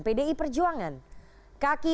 pdi perjuangan kaki